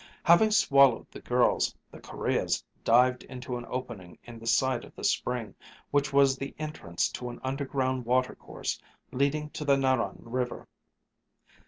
Having swallowed the girls, the kurreahs dived into an opening in the side of the spring, which was the entrance to an underground watercourse leading to the Narran River.